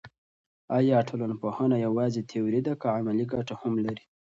آیا ټولنپوهنه یوازې تیوري ده که عملي ګټه هم لري.